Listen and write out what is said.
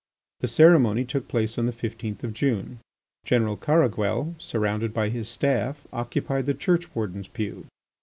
The ceremony took place on the fifteenth of June. General Caraguel, surrounded by his staff, occupied the churchwarden's pew.